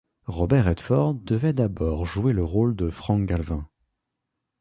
Robert Redford devait d'abord jouer le rôle de Frank Galvin.